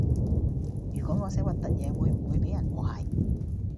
如果我寫核突嘢會唔會比人和諧